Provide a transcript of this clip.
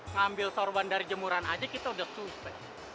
ngambil sorban dari jemuran haji kita udah suspek